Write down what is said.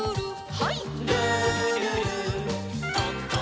はい。